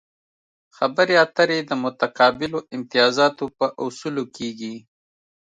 خبرې اترې د متقابلو امتیازاتو په اصولو کیږي